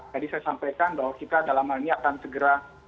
tadi saya sampaikan bahwa kita dalam hal ini akan segera